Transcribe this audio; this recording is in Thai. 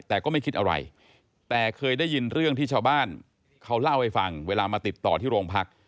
แต่ก็ไม่คิดอะไรแต่เคยได้ยินเรื่องที่ชาวบ้านเขาเล่าให้ฟังเวลามาติดต่อที่โรงพัก